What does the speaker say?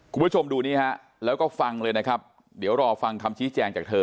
คุณผู้ชมดูนี่ฮะแล้วก็ฟังเลยนะครับเดี๋ยวรอฟังคำชี้แจงจากเธอ